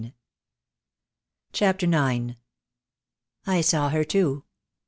I 47 CHAPTER IX. "I saw her too.